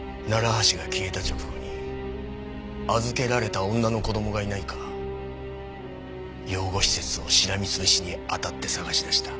楢橋が消えた直後に預けられた女の子供がいないか養護施設をしらみ潰しに当たって捜し出した。